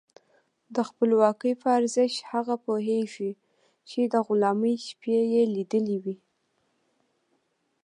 د خپلواکۍ ارزښت هغه پوهېږي چې د غلامۍ شپې یې لیدلي وي.